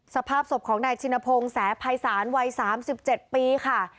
สภาพศพของนายชินพงศ์แสภัยศาลวัย๓๗ปีค่ะ